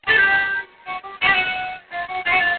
دا نن چې زه داسې درگورمه مخ نه اړوم